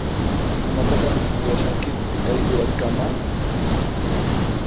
Imatataq ruwashankiri kay uraskama?